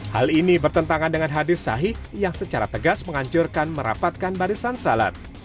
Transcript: hal ini bertentangan dengan hadis sahih yang secara tegas menganjurkan merapatkan barisan salat